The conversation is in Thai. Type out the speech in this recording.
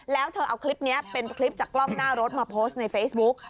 แล้วเธอเอาคลิปนี้เป็นคลิปจากกล้องหน้ารถมาโพสต์ในเฟซบุ๊ก